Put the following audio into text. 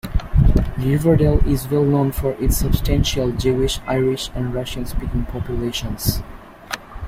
Riverdale is well known for its substantial Jewish, Irish and Russian-speaking populations.